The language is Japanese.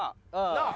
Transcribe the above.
なあ？